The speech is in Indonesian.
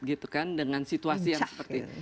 gitu kan dengan situasi yang seperti